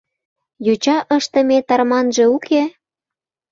— Йоча ыштыме тарманже уке?!